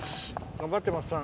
頑張って桝さん。